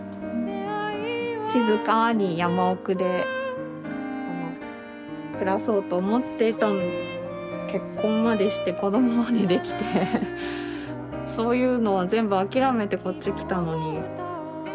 静かに山奥で暮らそうと思っていたのに結婚までして子どもまでできてそういうのは全部諦めてこっち来たのに不思議ですよね。